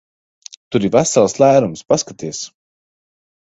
Tur ir vesels lērums. Paskaties!